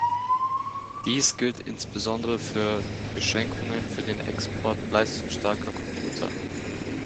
Dies gilt insbesondere für Beschränkungen für den Export leistungsstarker Computer.